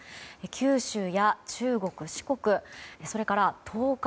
九州や中国・四国それから東海